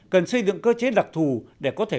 cần xây dựng cơ chế đặc thù để có thể